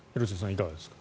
いかがですか？